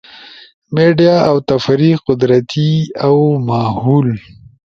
میڈیا اؤ تفریح، قدرتی اؤ ماھول